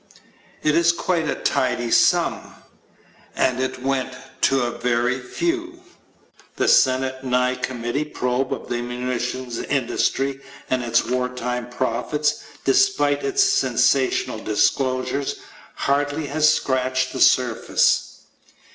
It is quite a tidy sum. And it went to a very few. The Senate (Nye) committee probe of the munitions industry and its wartime profits, despite its sensational disclosures, hardly has scratched the surface.